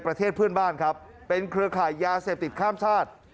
ประเทศเพื่อนบ้านครับเป็นเครือข่ายยาเสพติดข้ามชาติ